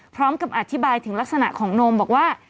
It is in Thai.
พร้อมกับอธิบายถึงลักษณะของโนมบอกว่า